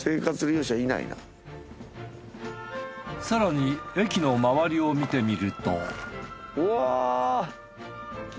更に駅の周りを見てみるとうわ。